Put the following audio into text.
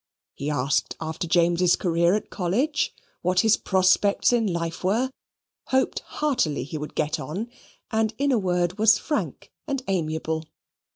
He asked after James's career at college what his prospects in life were hoped heartily he would get on; and, in a word, was frank and amiable.